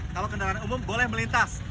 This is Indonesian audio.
kalau kendaraan umum boleh melintas